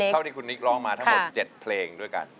เท่าที่คุณนิกร้องมาทั้งหมด๗เพลงด้วยกัน